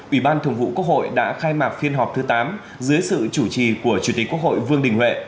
ủy ban thường vụ quốc hội đã khai mạc phiên họp thứ tám dưới sự chủ trì của chủ tịch quốc hội vương đình huệ